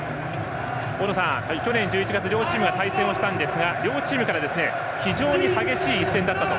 大野さん、去年１１月両チームが対戦したんですが両チームから非常に激しい一戦だったと。